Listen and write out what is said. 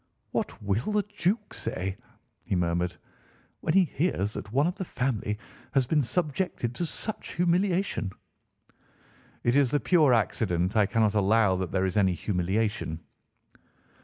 "What will the Duke say," he murmured, "when he hears that one of the family has been subjected to such humiliation?" "It is the purest accident. I cannot allow that there is any humiliation."